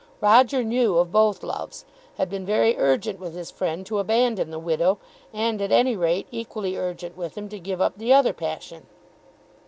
Roger knew of both loves; had been very urgent with his friend to abandon the widow, and at any rate equally urgent with him to give up the other passion.